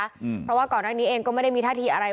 เพราะว่าก่อนหน้านี้เองก็ไม่ได้มีท่าทีอะไร